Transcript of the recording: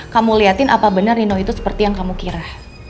kamu liatin apa benar nino itu seperti yang kamu kira